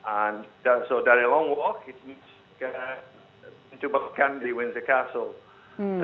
and so dari long walk itu dibuka di windsor castle